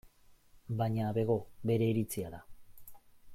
Baina bego, bere iritzia da.